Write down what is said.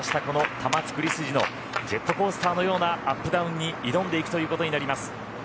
この玉造筋のジェットコースターのようなアップダウンに挑んでいくということになります。